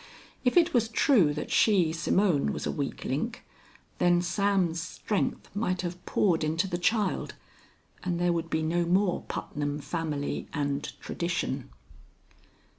If it was true that she, Simone, was a weak link, then Sam's strength might have poured into the child, and there would be no more Putnam family and tradition.